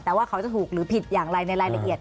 แต่ว่าเขาจะถูกหรือผิดอย่างไรในรายละเอียด